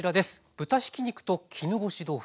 豚ひき肉と絹ごし豆腐。